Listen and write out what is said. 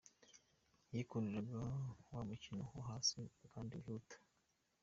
Yikundiraga wa mukino wo hasi kandi wihuta.